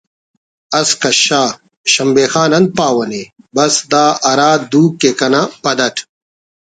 اس کشا…… شمبے خان انت پاو نے بس دا ہرا دوک کہ کنا پد اٹ